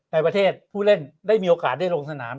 ในประเทศผู้เล่นได้มีโอกาสได้ลงสนาม